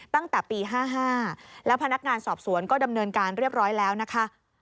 ตั้งแต่ปี๕๕แล้วพนักงานสอบสวนก็ดำเนินการเรียบร้อยแล้วนะคะ